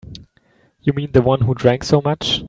You mean the one who drank so much?